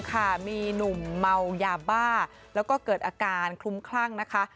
ค่ะมีหนุ่มเมายาบ้าแล้วก็เกิดอาการคลุ้มคลั่งนะคะ